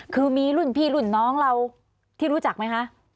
คือมีรุ่นพี่รุ่นน้องเราที่รู้จักไหมคะ